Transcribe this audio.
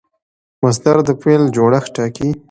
مصدر د فعل جوړښت ټاکي.